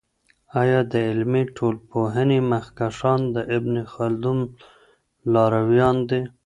آیا د علمي ټولپوهني مخکښان د ابن خلدون لارویان دی؟